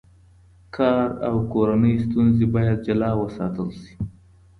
کار او کورنۍ ستونزې باید جلا وساتل شي.